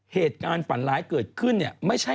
เหตุการณ์ฝันร้ายเกิดขึ้นเนี่ย